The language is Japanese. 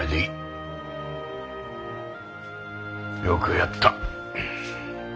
よくやった。